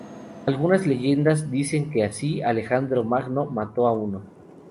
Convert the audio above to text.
Algunas leyendas dicen que, así, Alejandro Magno mató a uno.